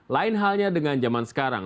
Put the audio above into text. lain halnya dengan zaman sekarang